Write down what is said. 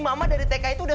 saya harus cerita semuanya